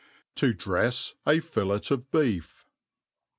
To 4refe a Fillet of Beef.